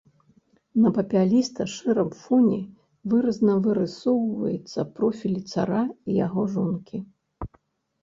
На папяліста-шэрым фоне выразна вырысоўваецца профілі цара і яго жонкі.